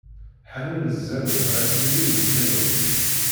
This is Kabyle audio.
Ḥanun zanun, ɣef yiri n lkanun.